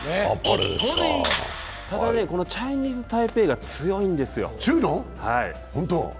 ただ、このチャイニーズ・タイペイが強いんですよ。